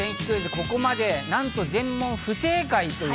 ここまでなんと全問不正解。